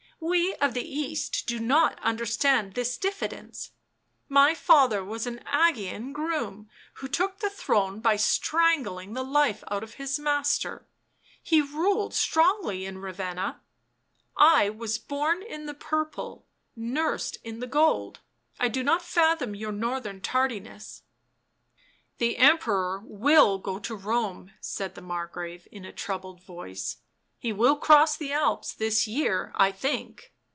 " We of the East do not understand this diffidence. My father was an iEgean groom who took the throne by strangling the life out of his master — he ruled strongly in Ravenna, I was born in the purple, nursed in the gold — I do not fathom your northern tardiness." " The Emperor will go to Rome," said the Margrave in a troubled voice. " He will cross the Alps this year, I think."